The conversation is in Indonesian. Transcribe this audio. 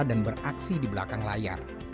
dan beraksi di belakang layar